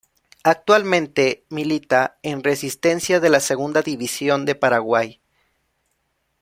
Actualmente milita en Resistencia de la Segunda División de Paraguay.